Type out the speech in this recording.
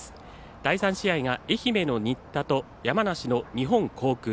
第３試合が愛媛の新田と山梨の日本航空。